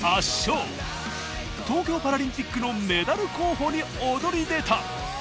東京パラリンピックのメダル候補に躍り出た。